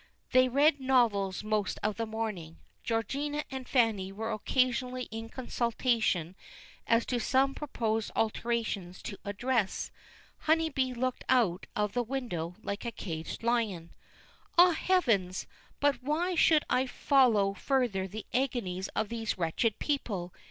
They read novels most of the morning. Georgina and Fanny were occasionally in consultation as to some proposed alterations to a dress. Honeybee looked out of the window like a caged lion. Ah, Heavens! but why should I follow further the agonies of these wretched people.